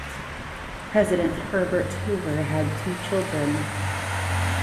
President Herbert Hoover had two children.